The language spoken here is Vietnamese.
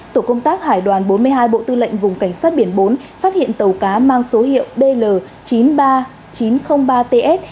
tổ công tác hải đoàn bốn mươi hai bộ tư lệnh vùng cảnh sát biển bốn phát hiện tàu cá mang số hiệu bl chín mươi ba nghìn chín trăm linh ba ts